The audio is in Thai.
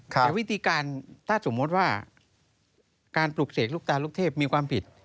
แต่วิธีการถ้าสมมุติว่าการปลูกเสกลูกตาลูกเทพมีความผิด